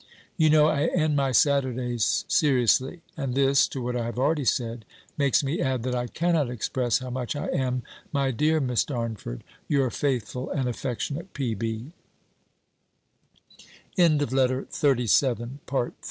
You know I end my Saturdays seriously. And this, to what I have already said, makes me add, that I cannot express how much I am, my dear Miss Darnford, your faithful and affectionate PB LETTER XXXVIII _From Mrs. B. to Miss Darnford.